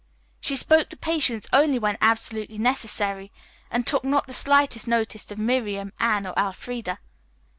She spoke to Patience only when absolutely necessary and took not the slightest notice of Miriam, Anne or Elfreda.